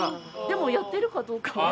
でもやってるかどうかは。